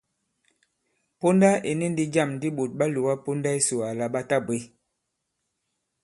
Ponda ì ni ndī jâm di ɓôt ɓa lòga ponda yisò àlà ɓa tabwě.